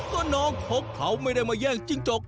ก็น้องคกเขาไม่ได้มาแย่งจิ้งจก